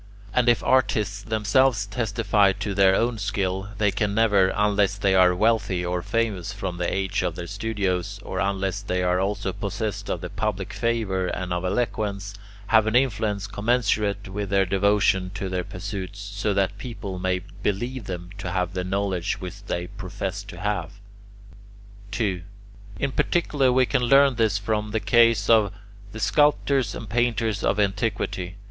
And if artists themselves testify to their own skill, they can never, unless they are wealthy or famous from the age of their studios, or unless they are also possessed of the public favour and of eloquence, have an influence commensurate with their devotion to their pursuits, so that people may believe them to have the knowledge which they profess to have. 2. In particular we can learn this from the case of the sculptors and painters of antiquity.